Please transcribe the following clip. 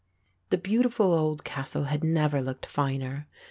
The beautiful old castle had never looked finer.